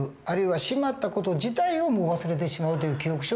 あるいはしまった事自体をもう忘れてしまうという記憶